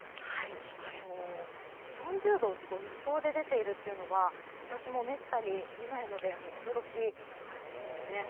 ４０度が予想で出ているというのは私もめったに見ないので驚きなんですよね。